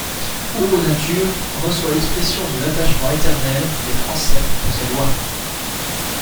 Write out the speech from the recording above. O Nature, reçois l'expression de l'attachement éternel des Français pour tes lois.